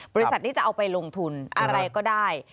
บริษัทนี้จะเอาไปลงทุนอะไรก็ได้